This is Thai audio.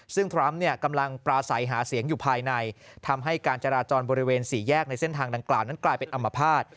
ซึ่งทรัมป์กำลังปราศัยหาเสียงอยู่ภายในทำให้การจราจรบริเวณสี่แยกในเส้นทางดังกล่าวนั้นกลายเป็นอัมพาต